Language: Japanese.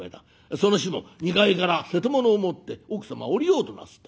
その日も２階から瀬戸物を持って奥様は下りようとなすった。